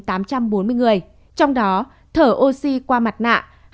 trong đó thở oxy qua mặt nạ hai sáu trăm một mươi năm